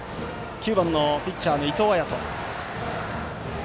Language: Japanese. ９番ピッチャーの伊藤彩斗。